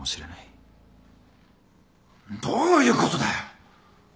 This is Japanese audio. どういうことだよ！？